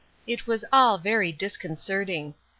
It was all very disconcerting.